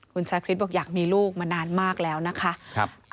คุณชาคริสบอกอยากมีลูกมานานมากแล้วนะคะ